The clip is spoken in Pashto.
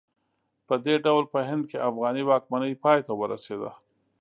په دې ډول په هند کې افغاني واکمنۍ پای ته ورسېده.